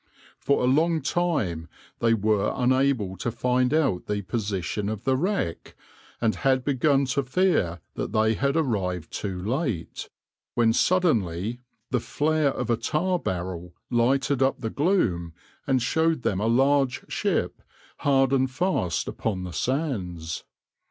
For a long time they were unable to find out the position of the wreck, and had begun to fear that they had arrived too late, when suddenly the flare of a tar barrel lighted up the gloom and showed them a large ship hard and fast upon the sands.